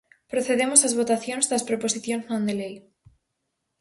Procedemos ás votacións das proposicións non de lei.